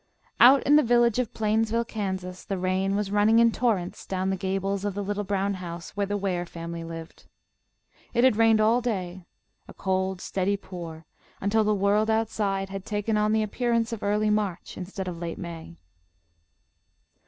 Out in the village of Plainsville, Kansas, the rain was running in torrents down the gables of the little brown house where the Ware family lived. It had rained all day, a cold, steady pour, until the world outside had taken on the appearance of early March, instead of late May.